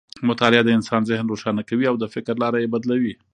مطالعه د انسان ذهن روښانه کوي او د فکر لاره یې بدلوي.